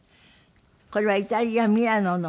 これはイタリアミラノの。